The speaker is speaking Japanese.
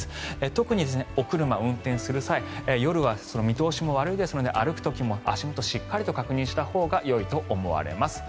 特にお車を運転する際夜は見通しも悪いですので歩く時も足元しっかりと確認したほうがよいと思われます。